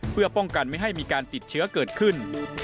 เพื่อป้องกันไม่ให้มีการติดเชื้อเกิดขึ้น